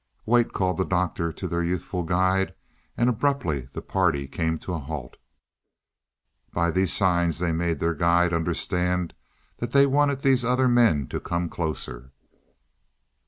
"Wait," called the Doctor to their youthful guide, and abruptly the party came to a halt. By these signs they made their guide understand that they wanted these other men to come closer.